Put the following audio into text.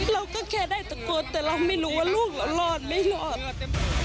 เราก็แค่ได้ตะโกนแต่เราไม่รู้ว่าลูกเรารอดไม่รอด